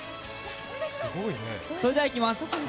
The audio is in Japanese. それではいきます。